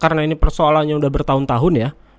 karena ini persoalannya udah bertahun tahun ya